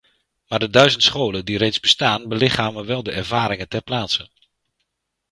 Maar de duizend scholen die reeds bestaan belichamen wel de ervaringen ter plaatse.